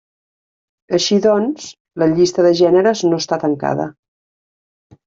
Així doncs, la llista de gèneres no està tancada.